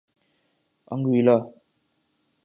Anguilla